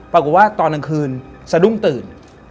ปรากฏว่าตอนกลางคืนสะดุ้งตื่น